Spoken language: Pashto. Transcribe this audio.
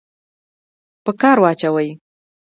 په کار واچوي.